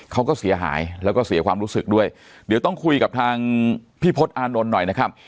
เขาก็เสียหายแล้วก็เสียความรู้สึกด้วยเดี๋ยวต้องคุยกับทางพี่พศอานนท์หน่อยนะครับ